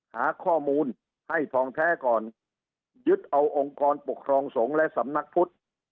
หาข้อมูลให้ทองแท้ก่อนยึดเอาองค์กรปกครองสงฆ์และสำนักพุทธ